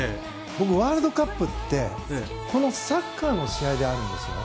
僕、ワールドカップってサッカーの試合であるんですよ。